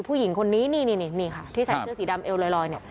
ผู้หญิงคนนี้นี่นี่นี่นี่ค่ะที่ใส่เสื้อสีดำเอลลอย